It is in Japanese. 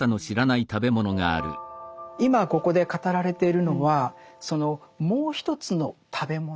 今ここで語られているのはそのもう一つの食べ物